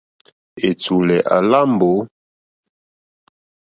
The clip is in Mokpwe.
Ɛ̀tùlɛ̀ à lá mbǒ.